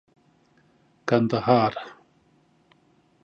کندهار